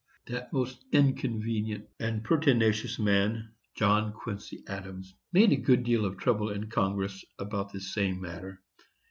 That most inconvenient and pertinacious man, John Quincy Adams, made a good deal of trouble in Congress about this same matter.